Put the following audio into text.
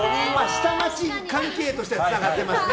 下町系としてはつながってますね。